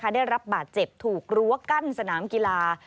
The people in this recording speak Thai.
ได้รับบาดเจ็บถูกรั้วกั้นสนามกีฬา